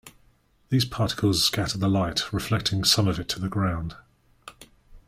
These particles scatter the light, reflecting some of it to the ground.